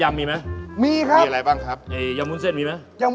เออนะเออมีแกล้งอะไรบ้างเนี่ย